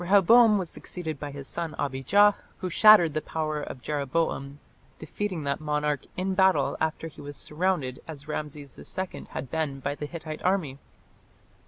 " Rehoboam was succeeded by his son Abijah, who shattered the power of Jeroboam, defeating that monarch in battle after he was surrounded as Rameses II had been by the Hittite army.